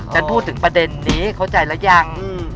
ฉันพูดถึงประเด็นนี้เข้าใจแล้วยัง